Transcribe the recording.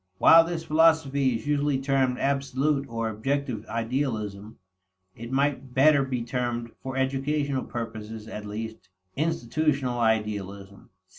While this philosophy is usually termed absolute or objective idealism, it might better be termed, for educational purposes at least, institutional idealism.